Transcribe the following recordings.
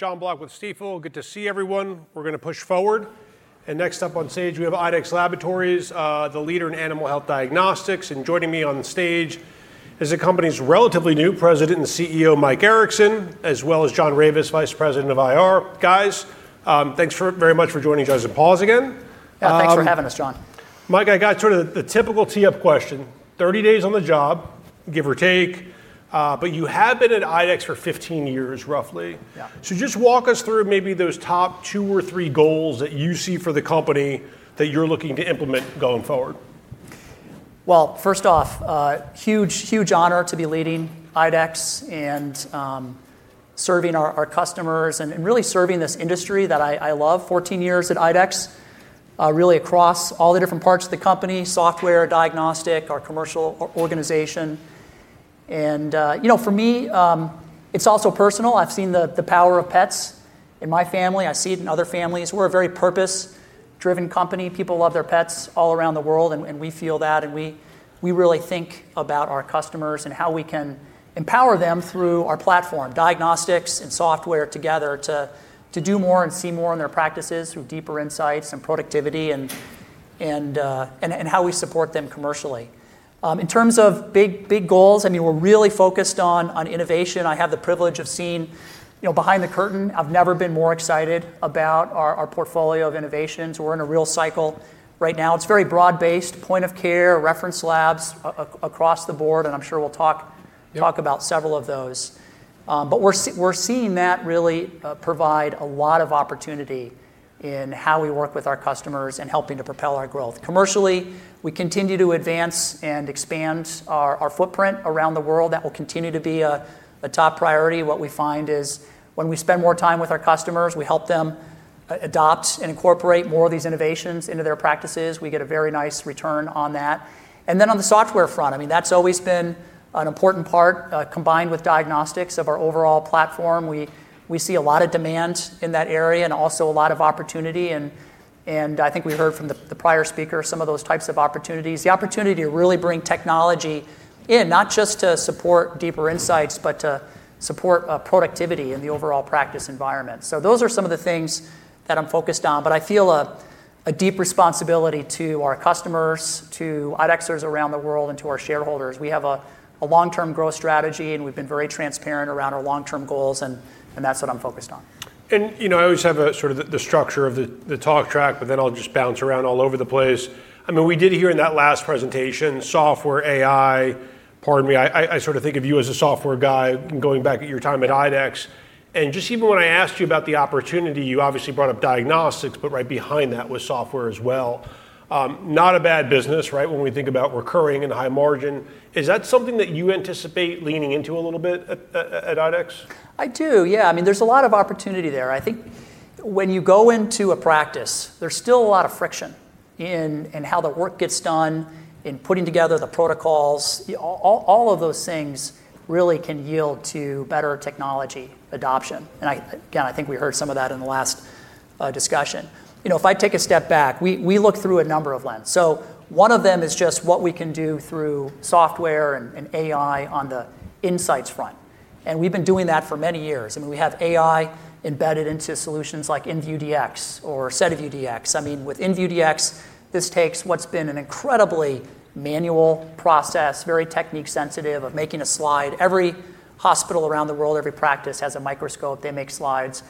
Jonathan Block with Stifel. Good to see everyone. We're going to push forward. Next up on stage, we have IDEXX Laboratories, the leader in animal health diagnostics. Joining me on stage is the company's relatively new President and CEO, Michael Erickson, as well as John Ravis, Vice President of IR. Guys, thanks very much for joining us and pause again. Yeah, thanks for having us, John. Michael, I got sort of the typical tee-up question, 30 days on the job, give or take, but you have been at IDEXX for 15 years, roughly. Yeah. Just walk us through maybe those top two or three goals that you see for the company that you're looking to implement going forward. Well, first off, huge honor to be leading IDEXX and serving our customers and really serving this industry that I love. 14 years at IDEXX, really across all the different parts of the company, software, diagnostic, our commercial organization. For me, it's also personal. I've seen the power of pets in my family. I see it in other families. We're a very purpose-driven company. People love their pets all around the world, and we feel that, and we really think about our customers and how we can empower them through our platform, diagnostics and software together, to do more and see more in their practices through deeper insights and productivity, and how we support them commercially. In terms of big goals, we're really focused on innovation. I have the privilege of seeing behind the curtain. I've never been more excited about our portfolio of innovations. We're in a real cycle right now. It's very broad-based, point of care, reference labs, across the board, and I'm sure we'll talk. Yeah talk about several of those. We're seeing that really provide a lot of opportunity in how we work with our customers and helping to propel our growth. Commercially, we continue to advance and expand our footprint around the world. That will continue to be a top priority. What we find is when we spend more time with our customers, we help them adopt and incorporate more of these innovations into their practices. We get a very nice return on that. On the software front, that's always been an important part, combined with diagnostics of our overall platform. We see a lot of demand in that area and also a lot of opportunity and I think we heard from the prior speaker some of those types of opportunities. The opportunity to really bring technology in, not just to support deeper insights, but to support productivity in the overall practice environment. Those are some of the things that I'm focused on, but I feel a deep responsibility to our customers, to IDEXXers around the world, and to our shareholders. We have a long-term growth strategy, and we've been very transparent around our long-term goals, and that's what I'm focused on. I always have a sort of the structure of the talk track, but then I'll just bounce around all over the place. We did hear in that last presentation, software AI. Pardon me, I sort of think of you as a software guy going back at your time at IDEXX. Just even when I asked you about the opportunity, you obviously brought up diagnostics, but right behind that was software as well. Not a bad business, right, when we think about recurring and high margin? Is that something that you anticipate leaning into a little bit at IDEXX? I do, yeah. There's a lot of opportunity there. I think when you go into a practice, there's still a lot of friction in how the work gets done, in putting together the protocols. All of those things really can yield to better technology adoption, and again, I think we heard some of that in the last discussion. If I take a step back, we look through a number of lens. One of them is just what we can do through software and AI on the insights front, and we've been doing that for many years. We have AI embedded into solutions like inVue Dx or SediVue Dx. With inVue Dx, this takes what's been an incredibly manual process, very technique sensitive, of making a slide. Every hospital around the world, every practice has a microscope. They make slides.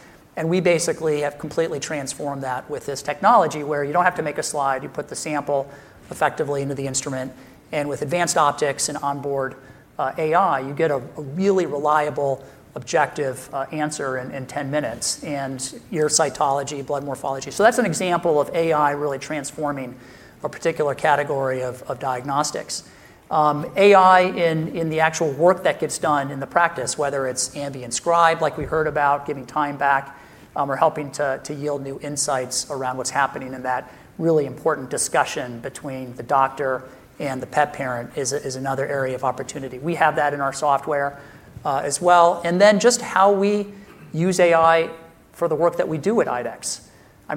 We basically have completely transformed that with this technology where you don't have to make a slide. You put the sample effectively into the instrument, and with advanced optics and onboard AI, you get a really reliable, objective answer in 10 minutes in your cytology, blood morphology. That's an example of AI really transforming a particular category of diagnostics. AI in the actual work that gets done in the practice, whether it's Ambient Scribe, like we heard about, giving time back or helping to yield new insights around what's happening in that really important discussion between the doctor and the pet parent is another area of opportunity. We have that in our software as well. Just how we use AI for the work that we do at IDEXX.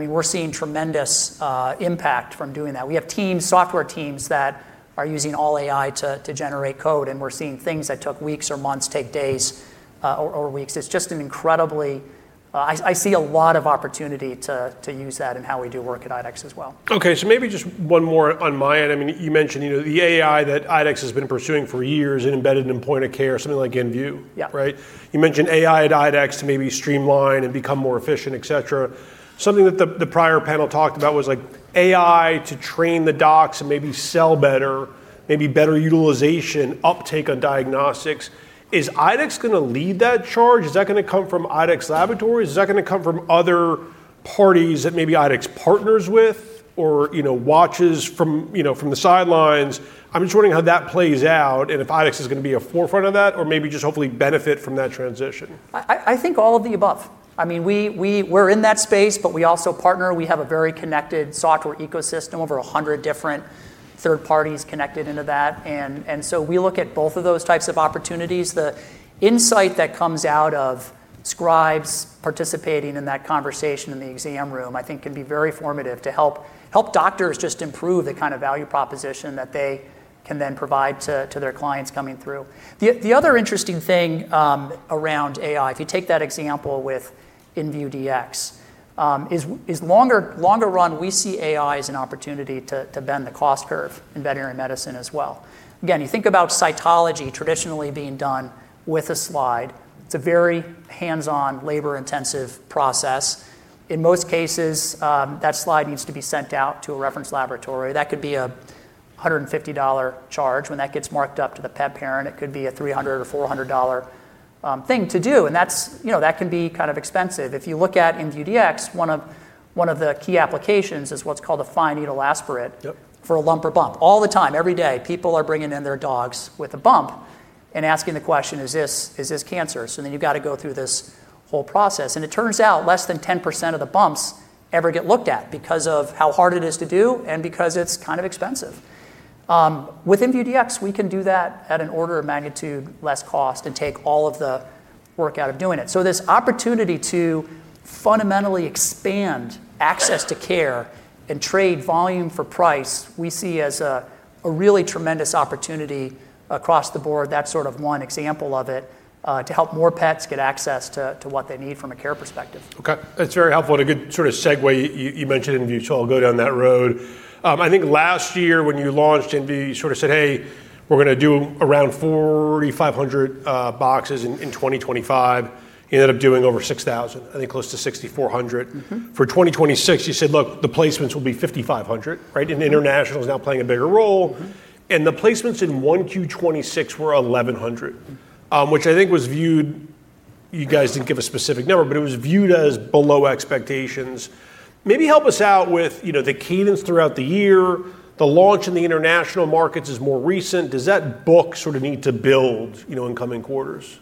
We're seeing tremendous impact from doing that. We have software teams that are using all AI to generate code, and we're seeing things that took weeks or months, take days or weeks. I see a lot of opportunity to use that in how we do work at IDEXX as well. Okay, maybe just one more on my end. You mentioned the AI that IDEXX has been pursuing for years and embedded in point of care, something like inVue. Yeah right? You mentioned AI at IDEXX to maybe streamline and become more efficient, et cetera. Something that the prior panel talked about was AI to train the docs and maybe sell better, maybe better utilization, uptake on diagnostics. Is IDEXX going to lead that charge? Is that going to come from IDEXX Laboratories, or is that going to come from other parties that maybe IDEXX partners with or watches from the sidelines? I'm just wondering how that plays out and if IDEXX is going to be a forefront of that or maybe just hopefully benefit from that transition. I think all of the above. We're in that space, but we also partner. We have a very connected software ecosystem, over 100 different third parties connected into that. We look at both of those types of opportunities. The insight that comes out of Ambient Scribe participating in that conversation in the exam room, I think can be very formative to help doctors just improve the kind of value proposition that they can then provide to their clients coming through. The other interesting thing around AI, if you take that example with inVue Dx, is longer run, we see AI as an opportunity to bend the cost curve in veterinary medicine as well. Again, you think about cytology traditionally being done with a slide. It's a very hands-on, labor-intensive process. In most cases, that slide needs to be sent out to a reference laboratory. That could be a $150 charge. When that gets marked up to the pet parent, it could be a $300 or $400 thing to do, that can be kind of expensive. If you look at inVue Dx, one of the key applications is what's called a fine needle aspirate. Yep for a lump or bump. All the time, every day, people are bringing in their dogs with a bump and asking the question, "Is this cancer?" You've got to go through this whole process, and it turns out, less than 10% of the bumps ever get looked at because of how hard it is to do and because it's kind of expensive. With inVue Dx, we can do that at an order of magnitude less cost and take all of the work out of doing it. This opportunity to fundamentally expand access to care and trade volume for price, we see as a really tremendous opportunity across the board. That's one example of it, to help more pets get access to what they need from a care perspective. Okay. That's very helpful and a good sort of segue you mentioned inVue. I'll go down that road. I think last year when you launched inVue, you sort of said, "Hey, we're going to do around 4,500 boxes in 2025." You ended up doing over 6,000. I think close to 6,400. For 2026, you said, "Look, the placements will be 5,500." Right? International's now playing a bigger role. The placements in 1Q 2026 were 1,100. I think was viewed, you guys didn't give a specific number, but it was viewed as below expectations. Maybe help us out with the cadence throughout the year. The launch in the international markets is more recent. Does that book sort of need to build in coming quarters?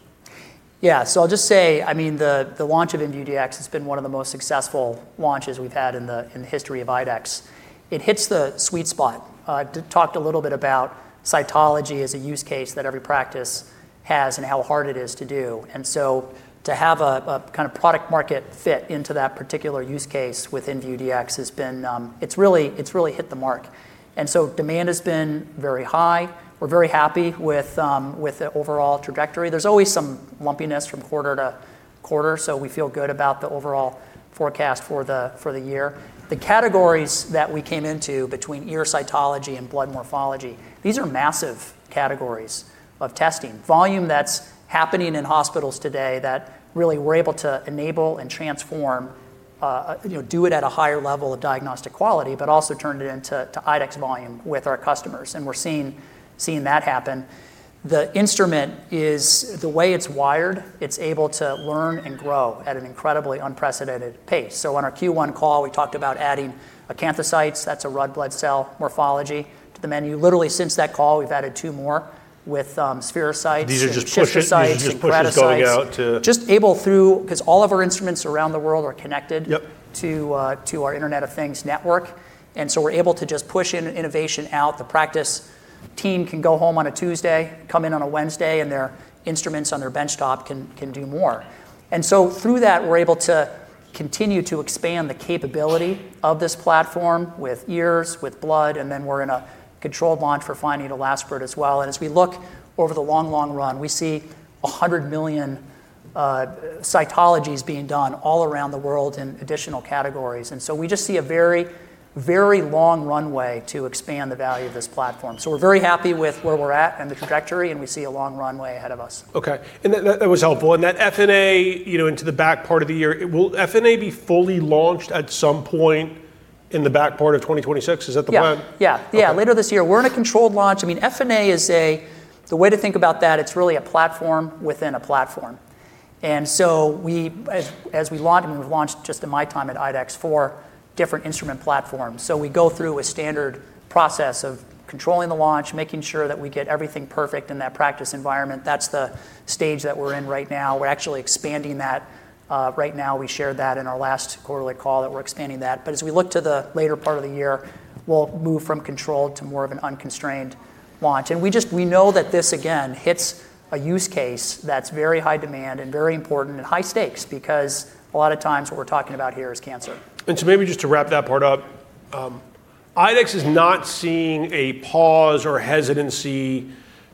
I'll just say, the launch of inVue Dx has been one of the most successful launches we've had in the history of IDEXX. It hits the sweet spot. We talked a little bit about cytology as a use case that every practice has and how hard it is to do. To have a kind of product market fit into that particular use case with inVue Dx, it's really hit the mark. Demand has been very high. We're very happy with the overall trajectory. There's always some lumpiness from quarter to quarter, we feel good about the overall forecast for the year. The categories that we came into between ear cytology and blood morphology, these are massive categories of testing. Volume that's happening in hospitals today that really we're able to enable and transform, do it at a higher level of diagnostic quality, but also turn it into IDEXX volume with our customers. We're seeing that happen. The instrument, the way it's wired, it's able to learn and grow at an incredibly unprecedented pace. On our Q1 call, we talked about adding acanthocytes, that's a red blood cell morphology, to the menu. Literally, since that call, we've added two more with spherocytes. These are just pushes. schistocytes and keratocytes. just pushes going out to- All of our instruments around the world are connected. Yep to our Internet of Things network. We're able to just push innovation out. The practice team can go home on a Tuesday, come in on a Wednesday, and their instruments on their benchtop can do more. Through that, we're able to continue to expand the capability of this platform with ears, with blood, and then we're in a controlled launch for fine needle aspirate as well. As we look over the long, long run, we see 100 million cytologies being done all around the world in additional categories. We just see a very long runway to expand the value of this platform. We're very happy with where we're at and the trajectory, and we see a long runway ahead of us. Okay. That was helpful. That FNA into the back part of the year, will FNA be fully launched at some point in the back part of 2026? Is that the plan? Yeah. Okay. Yeah. Later this year. We're in a controlled launch. FNA, the way to think about that, it's really a platform within a platform. As we launch, and we've launched just in my time at IDEXX, four different instrument platforms. We go through a standard process of controlling the launch, making sure that we get everything perfect in that practice environment. That's the stage that we're in right now. We're actually expanding that right now. We shared that in our last quarterly call that we're expanding that. As we look to the later part of the year, we'll move from controlled to more of an unconstrained launch. We know that this, again, hits a use case that's very high demand and very important and high stakes because a lot of times what we're talking about here is cancer. Maybe just to wrap that part up, IDEXX is not seeing a pause or hesitancy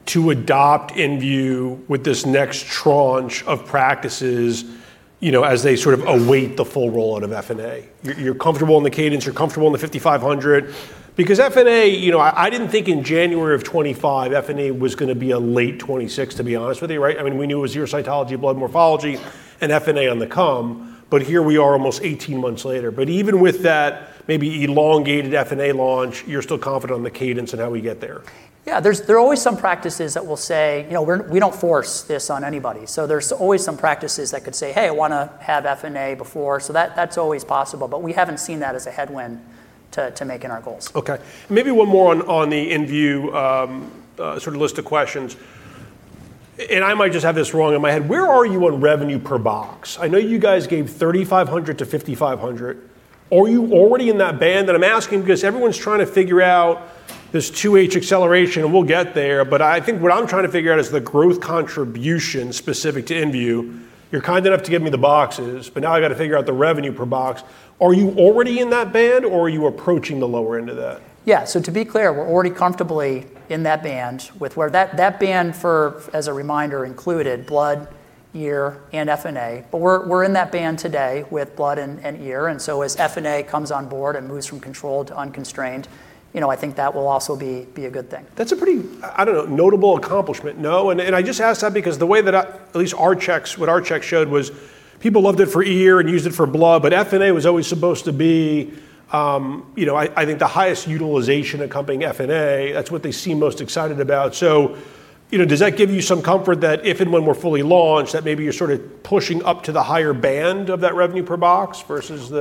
to adopt inVue with this next tranche of practices as they sort of await the full rollout of FNA. You're comfortable in the cadence, you're comfortable in the 5,500. FNA, I didn't think in January of 2025 FNA was going to be a late 2026, to be honest with you, right? We knew it was ear cytology, blood morphology, and FNA on the come, but here we are almost 18 months later. Even with that maybe elongated FNA launch, you're still confident in the cadence and how we get there. Yeah. We don't force this on anybody, there's always some practices that could say, "Hey, I want to have FNA before." That's always possible. We haven't seen that as a headwind to making our goals. Okay. Maybe one more on the inVue sort of list of questions. I might just have this wrong in my head. Where are you on revenue per box? I know you guys gave $3,500-$5,500. Are you already in that band? I'm asking because everyone's trying to figure out this 2H acceleration, and we'll get there, but I think what I'm trying to figure out is the growth contribution specific to inVue. You're kind enough to give me the boxes, but now I've got to figure out the revenue per box. Are you already in that band, or are you approaching the lower end of that? Yeah. To be clear, we're already comfortably in that band. That band, as a reminder, included blood, ear, and FNA. We're in that band today with blood and ear, as FNA comes on board and moves from controlled to unconstrained, I think that will also be a good thing. That's a pretty notable accomplishment, no? I just ask that because the way that, at least what our checks showed was people loved it for ear and used it for blood, but FNA was always supposed to be the highest utilization accompanying FNA. That's what they seem most excited about. Does that give you some comfort that if and when we're fully launched, that maybe you're sort of pushing up to the higher band of that revenue per box versus the-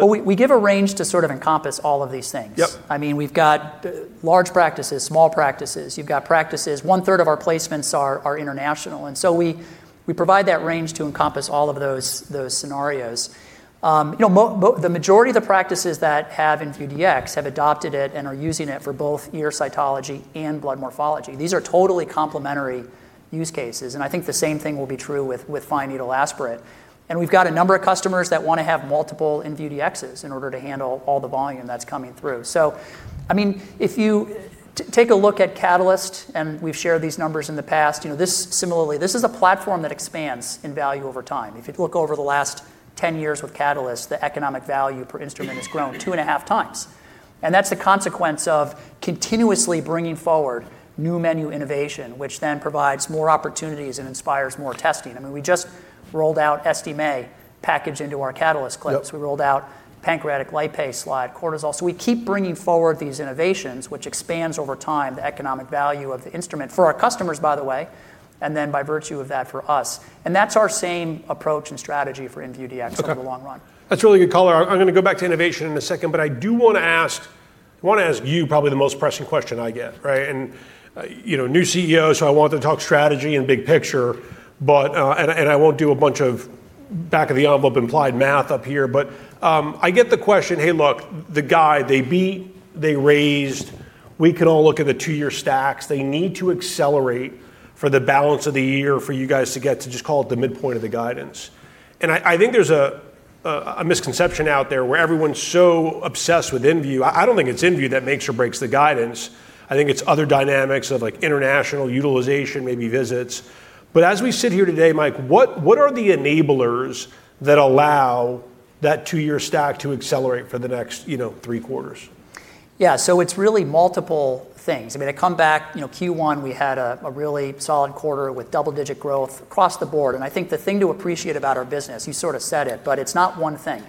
We give a range to sort of encompass all of these things. Yep. We've got large practices, small practices. One third of our placements are international, and so we provide that range to encompass all of those scenarios. The majority of the practices that have inVue Dx have adopted it and are using it for both ear cytology and blood morphology. These are totally complementary use cases, and I think the same thing will be true with fine needle aspirate. We've got a number of customers that want to have multiple inVue Dxs in order to handle all the volume that's coming through. If you take a look at Catalyst, and we've shared these numbers in the past, similarly, this is a platform that expands in value over time. If you look over the last 10 years with Catalyst, the economic value per instrument has grown two and a half times. That's the consequence of continuously bringing forward new menu innovation, which then provides more opportunities and inspires more testing. We just rolled out SDMA package into our Catalyst CLIP. Yep. We rolled out pancreatic lipase slide, cortisol. We keep bringing forward these innovations, which expands over time the economic value of the instrument for our customers, by the way, and then by virtue of that, for us. That's our same approach and strategy for inVue Dx. Okay over the long run. That's a really good call. I'm going to go back to innovation in a second, but I do want to ask you probably the most pressing question I get, right? New CEO, so I want to talk strategy and big picture, and I won't do a bunch of back-of-the-envelope implied math up here, but I get the question, hey, look, the guide, they beat, they raised. We can all look at the two-year stacks. They need to accelerate for the balance of the year for you guys to get to just call it the midpoint of the guidance. I think there's a misconception out there where everyone's so obsessed with inVue. I don't think it's inVue that makes or breaks the guidance. I think it's other dynamics of international utilization, maybe visits. As we sit here today, Michael, what are the enablers that allow that two-year stack to accelerate for the next three quarters? Yeah. It's really multiple things. To come back, Q1, we had a really solid quarter with double-digit growth across the board. I think the thing to appreciate about our business, you sort of said it. It's not one thing.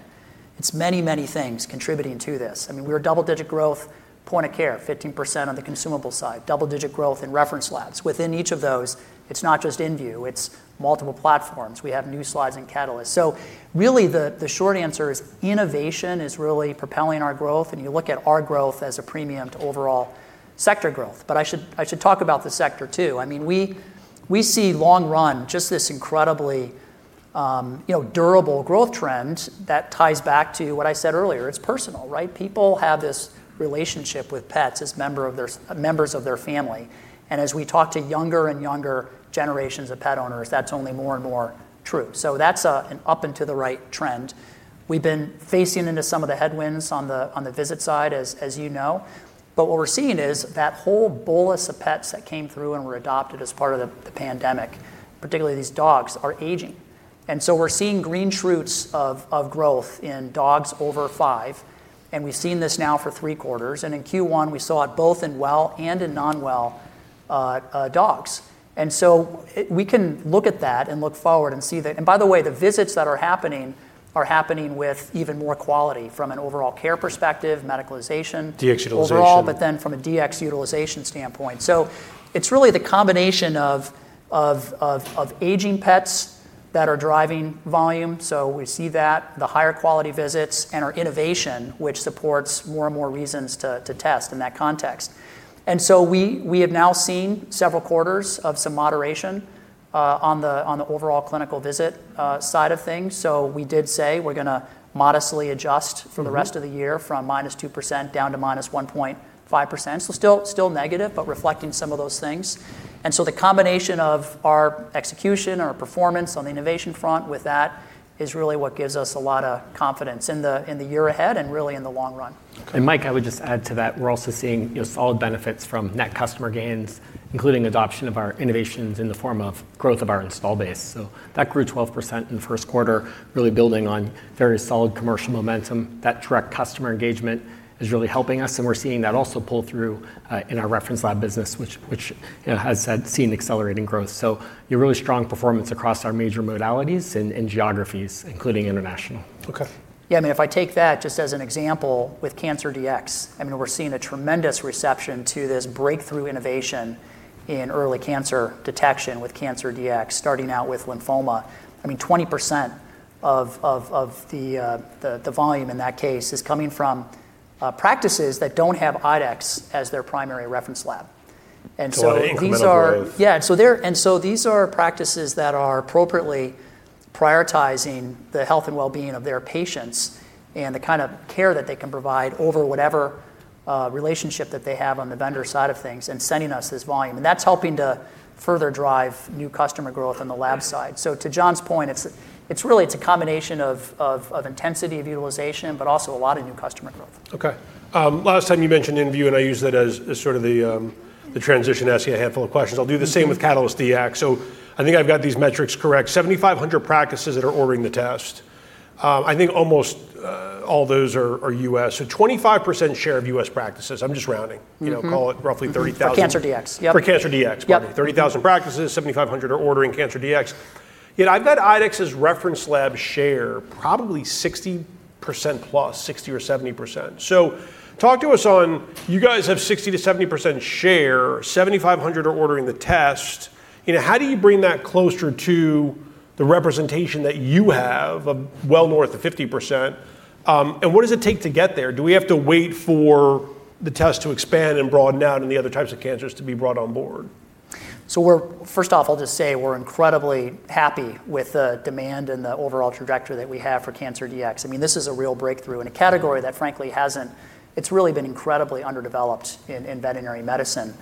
It's many, many things contributing to this. We were double-digit growth point of care, 15% on the consumable side, double-digit growth in reference labs. Within each of those, it's not just inVue, it's multiple platforms. We have new slides in Catalyst. Really the short answer is innovation is really propelling our growth. You look at our growth as a premium to overall sector growth. I should talk about the sector, too. We see long run, just this incredibly durable growth trend that ties back to what I said earlier. It's personal, right? People have this relationship with pets as members of their family, and as we talk to younger and younger generations of pet owners, that's only more and more true. That's an up and to the right trend. We've been facing into some of the headwinds on the visit side, as you know. What we're seeing is that whole bolus of pets that came through and were adopted as part of the pandemic, particularly these dogs, are aging. We're seeing green shoots of growth in dogs over five, and we've seen this now for three quarters, and in Q1, we saw it both in well and in non-well dogs. We can look at that and look forward and see. By the way, the visits that are happening are happening with even more quality from an overall care perspective, medicalization overall. DX utilization. From a DX utilization standpoint, it's really the combination of aging pets that are driving volume, so we see that, the higher quality visits, and our innovation, which supports more and more reasons to test in that context. We have now seen several quarters of some moderation on the overall clinical visit side of things. We did say we're going to modestly adjust for the rest of the year from -2% down to -1.5%. Still negative, but reflecting some of those things. The combination of our execution, our performance on the innovation front with that is really what gives us a lot of confidence in the year ahead, and really in the long run. Mike, I would just add to that, we're also seeing solid benefits from net customer gains, including adoption of our innovations in the form of growth of our install base. That grew 12% in the first quarter, really building on very solid commercial momentum. That direct customer engagement is really helping us, and we're seeing that also pull through in our reference lab business, which has seen accelerating growth. Really strong performance across our major modalities and geographies, including international. Okay. Yeah, if I take that just as an example with Cancer Dx, we're seeing a tremendous reception to this breakthrough innovation in early cancer detection with Cancer Dx, starting out with lymphoma. 20% of the volume in that case is coming from practices that don't have IDEXX as their primary reference lab. A lot of incremental growth. Yeah. These are practices that are appropriately prioritizing the health and wellbeing of their patients and the kind of care that they can provide over whatever relationship that they have on the vendor side of things and sending us this volume. That's helping to further drive new customer growth on the lab side. To Jonathan Block's point, it's a combination of intensity of utilization, but also a lot of new customer growth. Okay. Last time you mentioned inVue, I used that as the transition to asking a handful of questions. I'll do the same with Catalyst Dx. I think I've got these metrics correct. 7,500 practices that are ordering the test. I think almost all those are U.S. 25% share of U.S. practices, I'm just rounding. Call it roughly 30,000. For Cancer Dx. Yep. For Cancer Dx. Yep. Probably 30,000 practices, 7,500 are ordering Cancer Dx. I've got IDEXX's reference lab share probably 60%+, 60 or 70%. Talk to us on, you guys have 60%-70% share, 7,500 are ordering the test. How do you bring that closer to the representation that you have of well north of 50%? What does it take to get there? Do we have to wait for the test to expand and broaden out and the other types of cancers to be brought on board? First off, I'll just say we're incredibly happy with the demand and the overall trajectory that we have for Cancer Dx. This is a real breakthrough in a category that frankly, it's really been incredibly underdeveloped in veterinary medicine.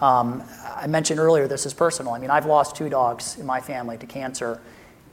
I mentioned earlier, this is personal. I've lost two dogs in my family to cancer,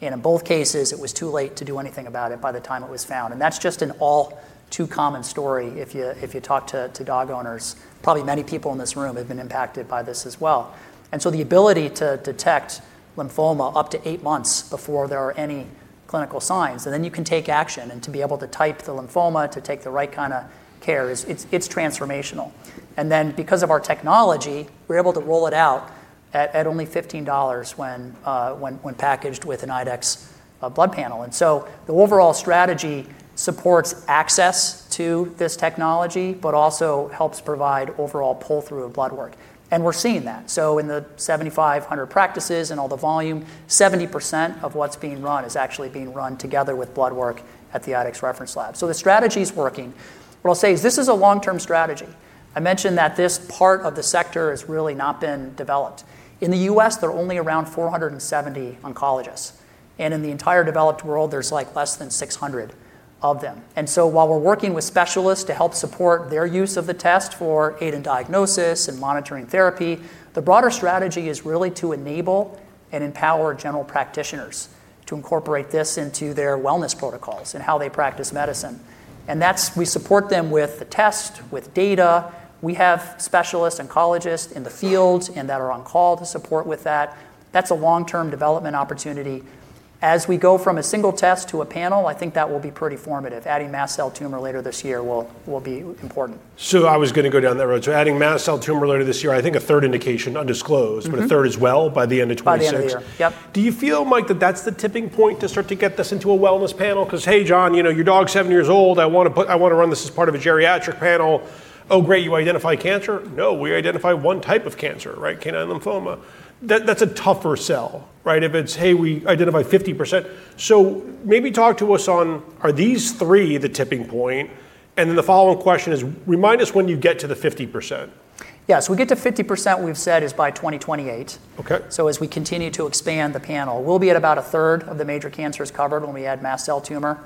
and in both cases, it was too late to do anything about it by the time it was found. That's just an all too common story if you talk to dog owners. Probably many people in this room have been impacted by this as well. The ability to detect lymphoma up to eight months before there are any clinical signs, then you can take action. To be able to type the lymphoma, to take the right kind of care, it's transformational. Then because of our technology, we're able to roll it out at only $15 when packaged with an IDEXX blood panel. The overall strategy supports access to this technology, but also helps provide overall pull-through of blood work. We're seeing that. In the 7,500 practices and all the volume, 70% of what's being run is actually being run together with blood work at the IDEXX reference lab. The strategy's working. What I'll say is this is a long-term strategy. I mentioned that this part of the sector has really not been developed. In the U.S., there are only around 470 oncologists, and in the entire developed world, there's less than 600 of them. While we're working with specialists to help support their use of the test for aid in diagnosis and monitoring therapy, the broader strategy is really to enable and empower general practitioners to incorporate this into their wellness protocols and how they practice medicine. We support them with the test, with data. We have specialist oncologists in the field and that are on call to support with that. That's a long-term development opportunity. As we go from a single test to a panel, I think that will be pretty formative. Adding mast cell tumor later this year will be important. I was going to go down that road. Adding mast cell tumor later this year, I think a third indication, undisclosed. a third as well by the end of 2026. By the end of the year. Yep. Do you feel, Michael Erickson, that that's the tipping point to start to get this into a wellness panel? Because, "Hey, Jonathan Block, your dog's seven years old. I want to run this as part of a geriatric panel." "Oh, great, you identify cancer?" "No, we identify one type of cancer," right? canine lymphoma. That's a tougher sell, right? If it's, "Hey, we identify 50%." Maybe talk to us on, are these three the tipping point? The follow-up question is, remind us when you get to the 50%. Yeah. We get to 50% we've said is by 2028. Okay. As we continue to expand the panel, we'll be at about a third of the major cancers covered when we add mast cell tumor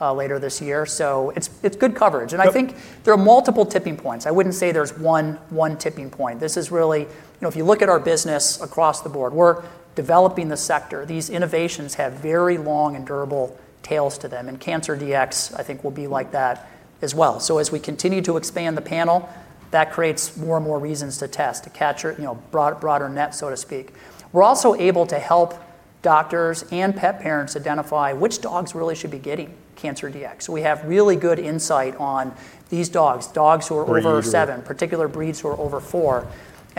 later this year. It's good coverage. Yep. I think there are multiple tipping points. I wouldn't say there's one tipping point. If you look at our business across the board, we're developing the sector. These innovations have very long and durable tails to them, and Cancer Dx, I think, will be like that as well. As we continue to expand the panel, that creates more and more reasons to test, to catch a broader net, so to speak. We're also able to help doctors and pet parents identify which dogs really should be getting Cancer Dx. We have really good insight on these dogs who are over seven- Breed. particular breeds who are over four.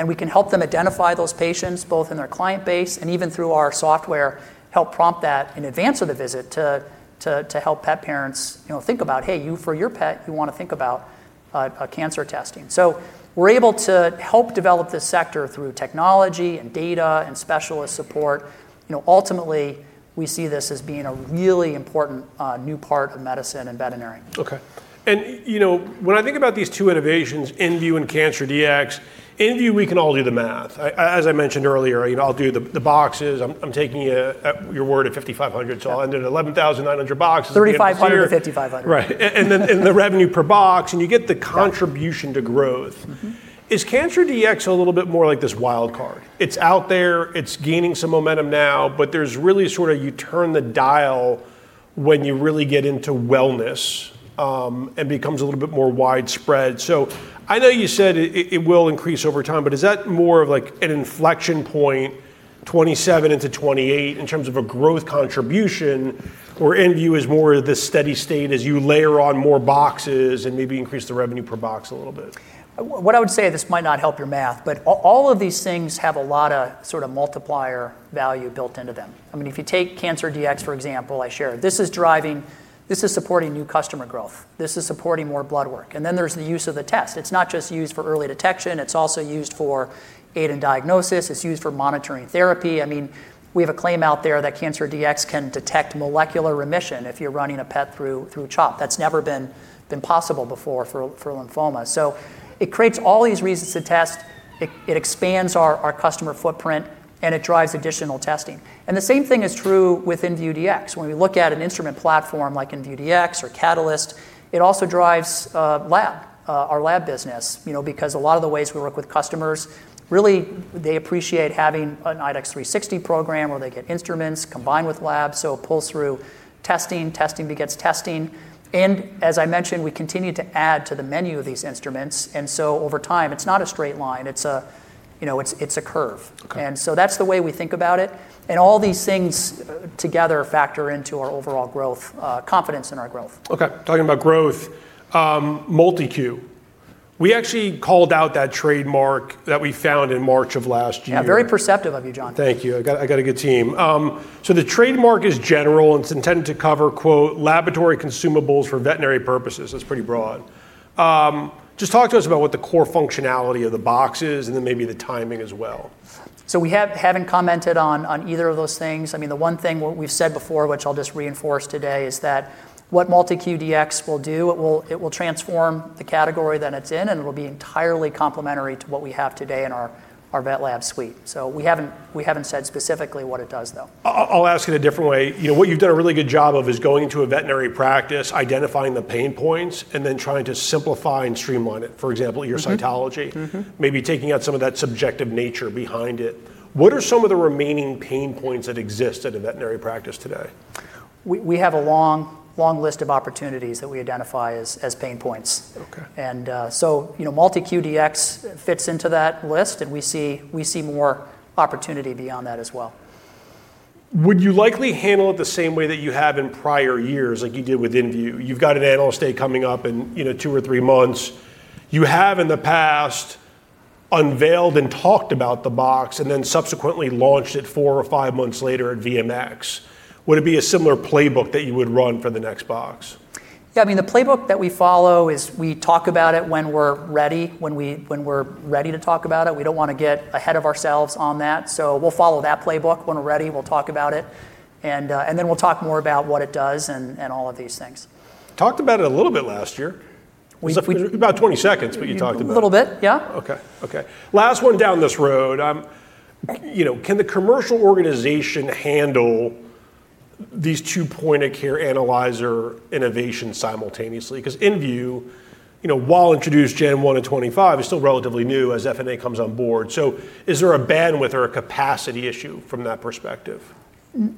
We can help them identify those patients, both in their client base and even through our software, help prompt that in advance of the visit to help pet parents think about, "Hey, for your pet, you want to think about cancer testing." We're able to help develop this sector through technology and data and specialist support. Ultimately, we see this as being a really important new part of medicine and veterinary. Okay. When I think about these two innovations, inVue and Cancer Dx, inVue, we can all do the math. As I mentioned earlier, I'll do the boxes. I'm taking your word at 5,500. Yeah. I'll end at 11,900 boxes at the end of this year. $3,500-$5,500. Right. The revenue per box, and you get the contribution to growth. Is Cancer Dx a little bit more like this wild card? It's out there, it's gaining some momentum now, but there's really sort of, you turn the dial when you really get into wellness, and becomes a little bit more widespread. I know you said it will increase over time, but is that more of an inflection point, 2027 into 2028, in terms of a growth contribution? Or inVue is more the steady state as you layer on more boxes and maybe increase the revenue per box a little bit? What I would say, this might not help your math, but all of these things have a lot of multiplier value built into them. If you take Cancer Dx, for example, I share, this is supporting new customer growth. This is supporting more blood work. Then there's the use of the test. It's not just used for early detection, it's also used for aid in diagnosis. It's used for monitoring therapy. We have a claim out there that Cancer Dx can detect molecular remission if you're running a pet through CHOP. That's never been possible before for lymphoma. It creates all these reasons to test, it expands our customer footprint, and it drives additional testing. The same thing is true with inVue Dx. When we look at an instrument platform like inVue Dx or Catalyst, it also drives our lab business. A lot of the ways we work with customers, really, they appreciate having an IDEXX 360 program where they get instruments combined with labs, it pulls through testing. Testing begets testing. As I mentioned, we continue to add to the menu of these instruments. Over time, it's not a straight line, it's a curve. Okay. That's the way we think about it. All these things together factor into our overall growth, confidence in our growth. Okay. Talking about growth. MilQ-ID. We actually called out that trademark that we found in March of last year. Yeah, very perceptive of you, John. Thank you. I got a good team. The trademark is general, and it's intended to cover, quote, "laboratory consumables for veterinary purposes." That's pretty broad. Talk to us about what the core functionality of the box is and then maybe the timing as well. We haven't commented on either of those things. The one thing, what we've said before, which I'll just reinforce today, is that what MilQ-ID will do, it will transform the category that it's in, and it will be entirely complementary to what we have today in our IDEXX VetLab Suite. We haven't said specifically what it does, though. I'll ask it a different way. What you've done a really good job of is going to a veterinary practice, identifying the pain points, and then trying to simplify and streamline it. For example, your cytology. Maybe taking out some of that subjective nature behind it, what are some of the remaining pain points that exist at a veterinary practice today? We have a long list of opportunities that we identify as pain points. Okay. MilQ-ID fits into that list, and we see more opportunity beyond that as well. Would you likely handle it the same way that you have in prior years like you did with inVue? You've got an Analyst Day coming up in two or three months. You have, in the past, unveiled and talked about the box and then subsequently launched it four or five months later at VMX. Would it be a similar playbook that you would run for the next box? Yeah, the playbook that we follow is we talk about it when we're ready to talk about it. We don't want to get ahead of ourselves on that. We'll follow that playbook. When we're ready, we'll talk about it. We'll talk more about what it does and all of these things. Talked about it a little bit last year. We- It was about 20 seconds, but you talked about it. A little bit, yeah. Okay. Last one down this road. Can the commercial organization handle these two point-of-care analyzer innovations simultaneously? Because inVue, while introduced January 1, 2025, is still relatively new as FNA comes on board. Is there a bandwidth or a capacity issue from that perspective?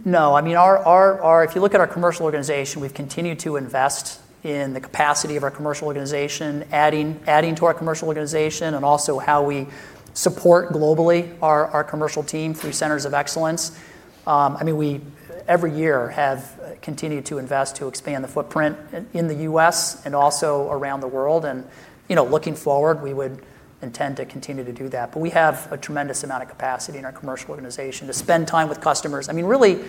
No. If you look at our commercial organization, we've continued to invest in the capacity of our commercial organization, adding to our commercial organization and also how we support globally our commercial team through centers of excellence. We, every year, have continued to invest to expand the footprint in the U.S. and also around the world. Looking forward, we would intend to continue to do that. We have a tremendous amount of capacity in our commercial organization to spend time with customers. Really,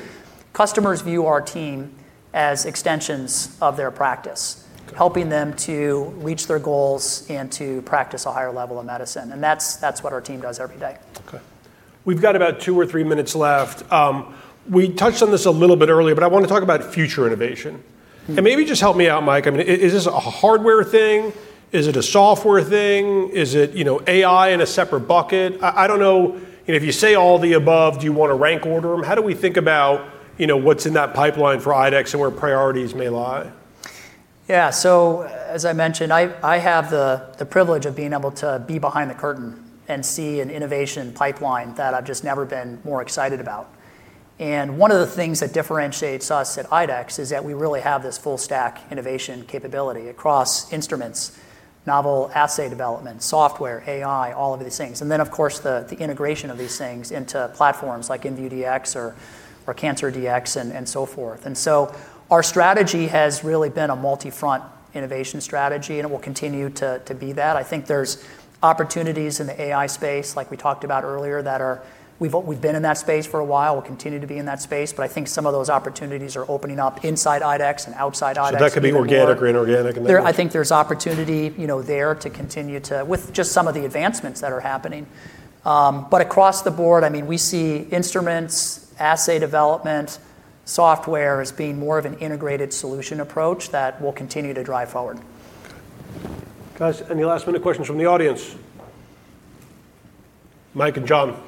customers view our team as extensions of their practice. Okay helping them to reach their goals and to practice a higher level of medicine. That's what our team does every day. Okay. We've got about two or three minutes left. We touched on this a little bit earlier. I want to talk about future innovation. Maybe just help me out, Mike. Is this a hardware thing? Is it a software thing? Is it AI in a separate bucket? I don't know. If you say all the above, do you want to rank order them? How do we think about what's in that pipeline for IDEXX and where priorities may lie? As I mentioned, I have the privilege of being able to be behind the curtain and see an innovation pipeline that I've just never been more excited about. One of the things that differentiates us at IDEXX is that we really have this full-stack innovation capability across instruments, novel assay development, software, AI, all of these things. Of course, the integration of these things into platforms like inVue Dx or Cancer Dx and so forth. Our strategy has really been a multi-front innovation strategy, and it will continue to be that. I think there's opportunities in the AI space, like we talked about earlier, We've been in that space for a while, we'll continue to be in that space, but I think some of those opportunities are opening up inside IDEXX and outside IDEXX even more. That could be organic or inorganic. I think there's opportunity there to continue to, with just some of the advancements that are happening. Across the board, we see instruments, assay development, software as being more of an integrated solution approach that we'll continue to drive forward. Okay. Guys, any last-minute questions from the audience? Michael Erickson and John Ravis. Perfect.